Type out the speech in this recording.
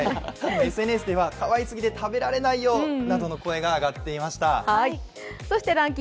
ＳＮＳではかわいすぎて食べられないよなどの声が上がっていました。